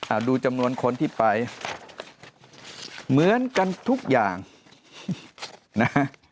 ดูจำนวนคนที่ไปเหมือนกันทุกอย่างนะฮะ